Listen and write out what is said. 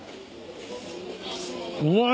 うまい。